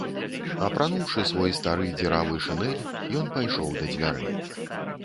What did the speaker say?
Апрануўшы свой стары дзіравы шынель, ён пайшоў да дзвярэй.